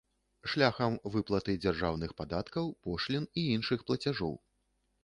Шляхам выплаты дзяржаўных падаткаў, пошлін і іншых плацяжоў.